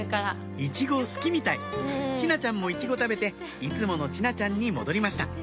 イチゴ好きみたい智奈ちゃんもイチゴ食べていつもの智奈ちゃんに戻りました